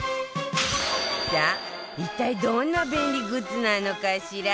さあ一体どんな便利グッズなのかしら？